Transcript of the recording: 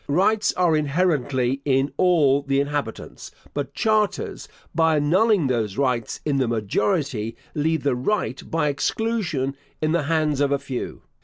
Rights are inherently in all the inhabitants; but charters, by annulling those rights, in the majority, leave the right, by exclusion, in the hands of a few.